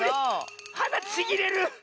はだちぎれる！